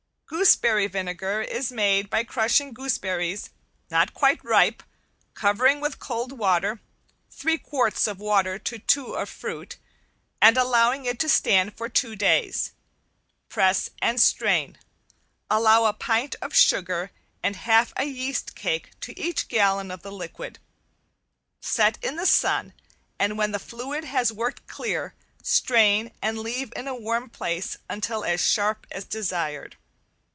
Gooseberry vinegar is made by crushing gooseberries not quite ripe, covering with cold water (three quarts of water to two of fruit) and allowing it to stand for two days. Press and strain. Allow a pint of sugar and half a yeast cake to each gallon of the liquid. Set in the sun, and when the fluid has worked clear, strain and leave in a warm place until as sharp as desired.